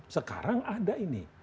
sekarang ada ini